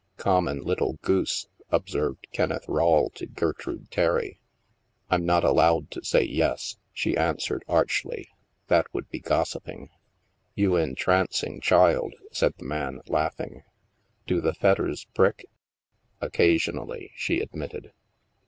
" Common little goose," observed Kenneth Rawle to Gertrude Terry. " I'm not allowed to say ' yes,' " she answered archly; " that would be gossiping." " You entrancing child," said the man, laughing. Do the fetters prick ?" Occasionally," she admitted.